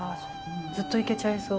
ずっといけちゃいそう。